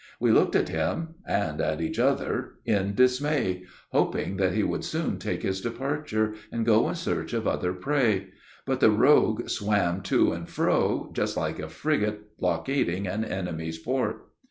We looked at him and at each other in dismay, hoping that he would soon take his departure, and go in search of other prey; but the rogue swam to and fro, just like a frigate blockading an enemy's port.